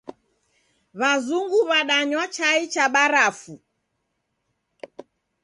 W'azungu w'adanywa chai cha barafu.